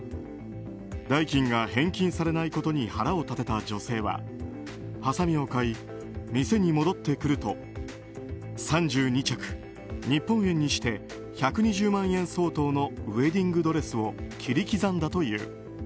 代金が返金されないことに腹を立てた女性ははさみを買い、店に戻ってくると３２着、日本円にして１２０万円相当のウェディングドレスを切り刻んだという。